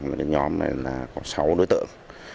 những nhóm này là sáu đối tượng